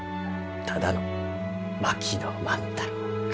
ただの槙野万太郎か。